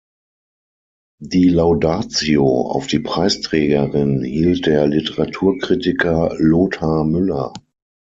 Die Laudatio auf die Preisträgerin hielt der Literaturkritiker Lothar Müller.